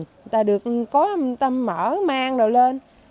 người ta được có người ta mở mang đồ lên